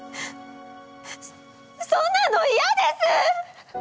そんなのいやです！